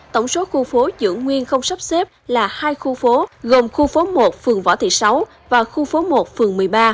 tổng số khu phố dưỡng nguyên không sắp xếp là hai khu phố gồm khu phố một phường võ thị sáu và khu phố một phường một mươi ba